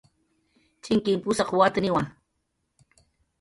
Chinkin pusaq watniwa